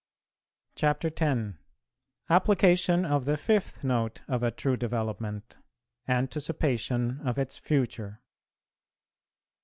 CHAPTER X. APPLICATION OF THE FIFTH NOTE OF A TRUE DEVELOPMENT. ANTICIPATION OF ITS FUTURE.